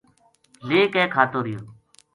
لے کے کھاتو رہیو